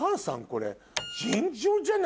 これ。